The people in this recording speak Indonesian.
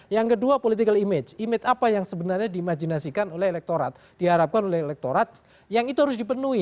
yang kedua political image image apa yang sebenarnya dimajinasikan oleh elektorat diharapkan oleh elektorat yang itu harus dipenuhi